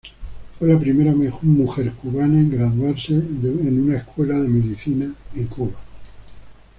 Fue la primera mujer cubana en graduarse de una escuela de medicina en Cuba.